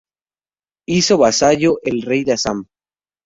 Hizo vasallo al rey de Assam.